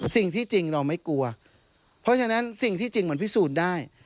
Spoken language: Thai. สิ่งที่จริงเราไม่กลัวเพราะฉะนั้นสิ่งที่จริงมันพิสูจน์ได้